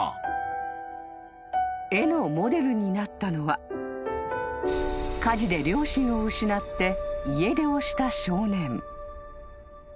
［絵のモデルになったのは火事で両親を失って家出をした少年］